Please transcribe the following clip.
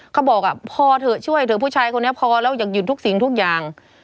เขาบอกพอเถอะช่วยเถอะผู้ชายคนนี้พอแล้วอยากหยุดทุกสิ่งทุกอย่าง